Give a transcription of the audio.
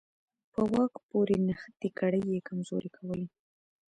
په واک پورې نښتې کړۍ یې کمزورې کولې.